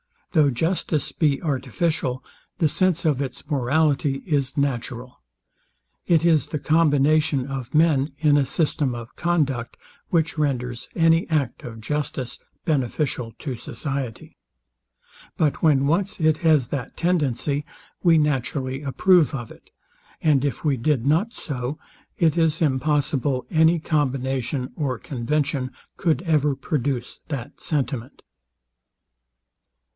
Though justice be artificial, the sense of its morality is natural. It is the combination of men, in a system of conduct, which renders any act of justice beneficial to society. But when once it has that tendency, we naturally approve of it; and if we did not so, it is impossible any combination or convention could ever produce that sentiment.